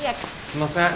すんません。